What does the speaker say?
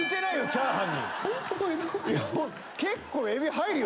チャーハンって。